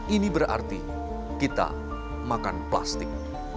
ini berarti kita makan plastik